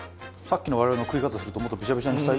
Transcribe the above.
さっきの我々の食い方からすると。